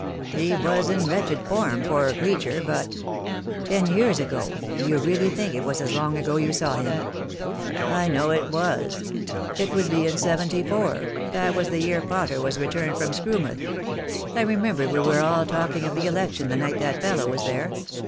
He was in wretched form, poor creature, but " "Ten years ago, do you really think it was as long ago you saw him?" "I know it was. It would be in seventy four, that was the year Potter was returned for Screwmouth. I re member we were all talking of the election the night that fellow was there.